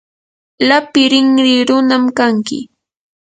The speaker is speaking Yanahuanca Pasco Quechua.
lapi rinri runam kanki.